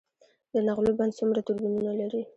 د نغلو بند څومره توربینونه لري؟